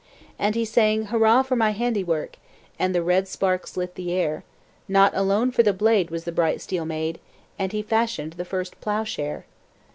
And he sang "Hurrah for my handiwork!" And the red sparks lit the air; "Not alone for the blade was the bright steel made," And he fashioned the first ploughshare.